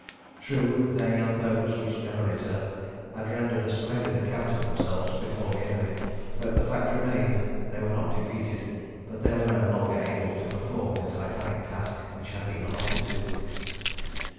True, they and those which never returned had rendered a splendid account of themselves before the enemy, but the fact remained they were not defeated, but they were no longer able to perform the Titanic task which had been allotted to them.